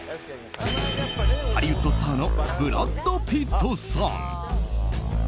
ハリウッドスターのブラッド・ピットさん。